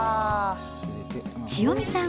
千代美さん